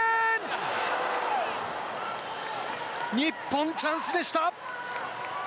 日本、チャンスでした。